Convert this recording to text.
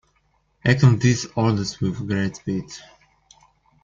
Act on these orders with great speed.